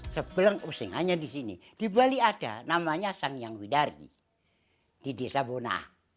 sebelang useng hanya di sini di bali ada namanya sang yang widardi di desa bona